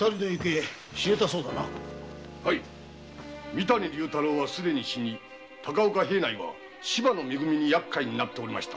三谷竜太郎は既に死に高岡平内は芝のめ組に厄介になっておりました。